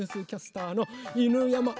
キャスターの犬山